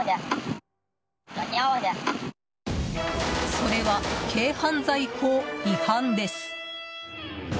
それは軽犯罪法違反です。